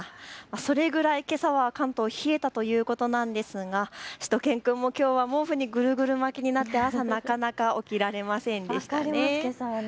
それぐらい、けさは関東冷えたということですがしゅと犬くんもきょうは毛布にぐるぐる巻きになって朝、なかなか起きられませんでした。